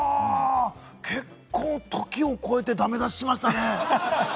結構、時を超えてダメ出ししましたね。